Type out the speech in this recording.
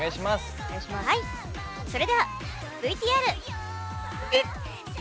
それでは、ＶＴＲ！